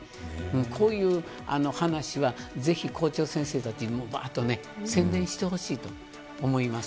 こういう話はぜひ、校長先生たちにも宣伝してほしいと思います。